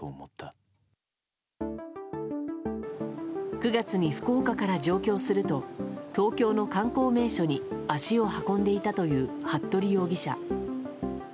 ９月に福岡から上京すると東京の観光名所に足を運んでいたという服部容疑者。